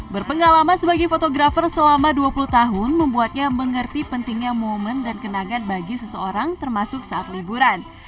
berpengalaman sebagai fotografer selama dua puluh tahun membuatnya mengerti pentingnya momen dan kenangan bagi seseorang termasuk saat liburan